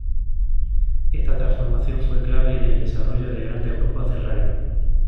Esta transformación fue clave en el desarrollo de grandes grupos de radio.